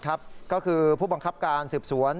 ก็คือผู้บังคับการสืบสวน